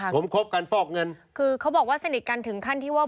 ใช่ค่ะคือคือเขาบอกว่าสนิทกันถึงขั้นที่ว่า